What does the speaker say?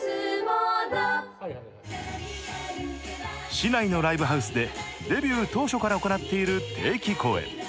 市内のライブハウスでデビュー当初から行っている定期公演。